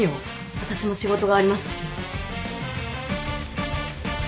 私も仕事がありますし。